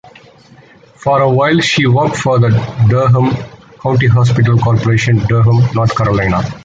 For a while she worked for the Durham County Hospital Corporation, Durham, North Carolina.